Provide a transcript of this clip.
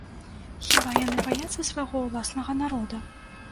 Хіба яны баяцца свайго ўласнага народа?